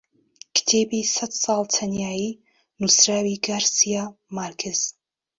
کتێبی سەد ساڵ تەنیایی نووسراوی گارسیا مارکێز